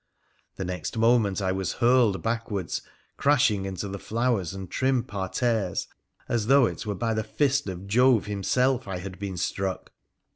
The next moment I was hurled backwards, crashing into the flowers and trim parterres as though it were by the fist of Jove himself I had been struck.